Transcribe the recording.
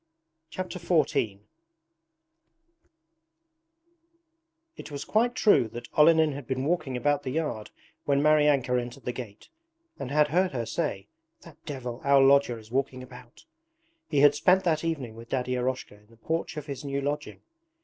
Chapter XIV It was quite true that Olenin had been walking about the yard when Maryanka entered the gate, and had heard her say, 'That devil, our lodger, is walking about.' He had spent that evening with Daddy Eroshka in the porch of his new lodging.